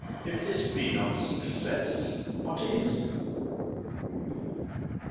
If this be not success, what is?